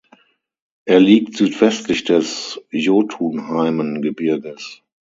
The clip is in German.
Er liegt südwestlich des Jotunheimen-Gebirges.